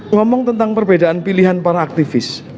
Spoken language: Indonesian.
ngomong tentang perbedaan pilihan para aktivis